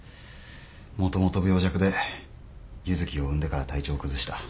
もともと病弱で柚希を産んでから体調を崩した。